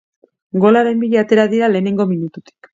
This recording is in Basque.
Golaren bila atera dira lehenengo minututik.